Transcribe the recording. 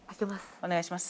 お願いします。